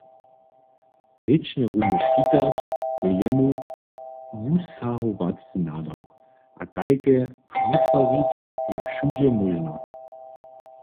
Rěčne rumy škitać je jemu wusahowacy nadawk, a tajke wutworić je wšudźe móžno.